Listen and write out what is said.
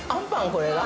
これが？